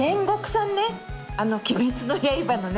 あの「鬼滅の刃」のね。